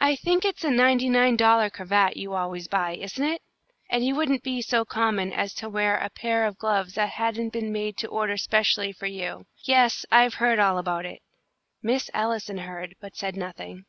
I think it's a ninety nine dollar cravat you always buy, isn't it? And you wouldn't be so common as to wear a pair of gloves that hadn't been made to order specially for you. Yes, I've heard all about it!" Miss Allison heard, but said nothing.